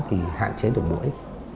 thì hạn chế được mũi